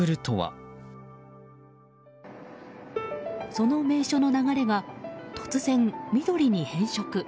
その名所の流れが突然、緑に変色。